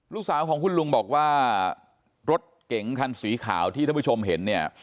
ลูกสาวของคุณลุงบอกว่ารถเก๋งคันสีขาวที่ท่านผู้ชมเห็นเนี่ย